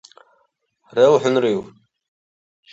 РелхӀунрив!